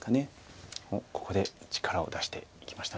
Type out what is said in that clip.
おっここで力を出していきました。